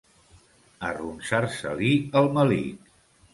Arronsar-se-li el melic.